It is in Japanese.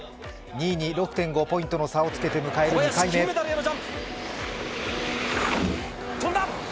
２位に６．５ポイントの差をつけて迎える２回目。